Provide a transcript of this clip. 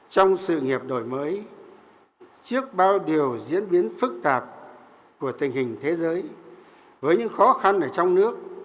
trong sự nghiệp đổi mới trước bao điều diễn biến phức tạp của tình hình thế giới với những khó khăn ở trong nước